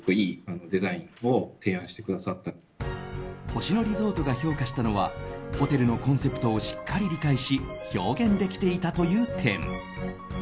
星野リゾートが評価したのはホテルのコンセプトをしっかり理解し表現できていたという点。